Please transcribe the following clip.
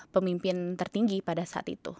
pemimpin tertinggi pada saat itu